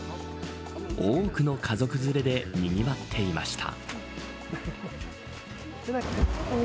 多くの家族連れでにぎわっていました。